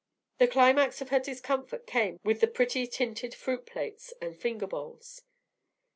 The climax of her discomfort came with the pretty tinted fruit plates and finger bowls.